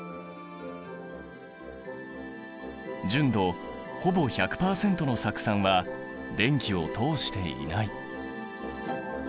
純度ほぼ１００％の酢酸は電気を通していない。